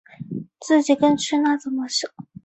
自己跟去那怎么行